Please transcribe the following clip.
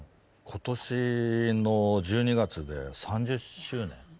今年の１２月で３０周年。